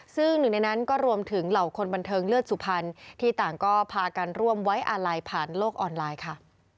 ซึ่งหนึ่งในนั้นก็รวมถึงเหล่าคนบันเทิงเลือดสุพรรณที่ต่างก็พากันร่วมไว้อาลัยผ่านโลกออนไลน์ค่ะ